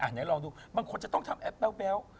ไหนลองดูบางคนจะต้องทำแอปแบ๊ว